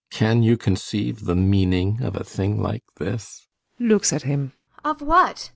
] Can you conceive the meaning of a thing like this? ASTA. [Looks at him.] Of what?